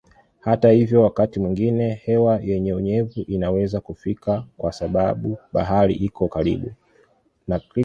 Hata hivyo wakati mwingine hewa yenye unyevu inaweza kufika kwa sababu bahari iko karibu.